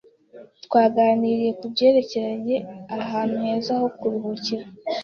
Twaganiriye kubyerekeye ahantu heza ho kuruhukira.